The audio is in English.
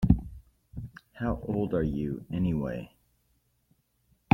How old are you anyway?